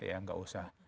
ya nggak usah